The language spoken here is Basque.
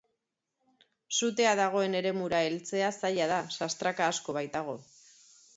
Sutea dagoen eremura heltzea zaila da, sastraka asko baitago.